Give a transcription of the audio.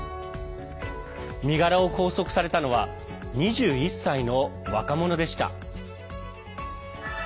身柄を拘束されたのは２１歳の若者でした。